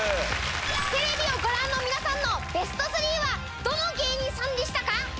テレビをご覧の皆さんのベスト３はどの芸人さんでしたか？